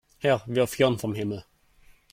Herr, wirf Hirn vom Himmel!